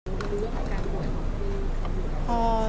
คุณไม่รู้เรื่องของอาการป่วยของพี่